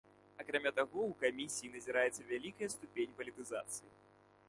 Акрамя таго, у камісіі назіраецца вялікая ступень палітызацыі.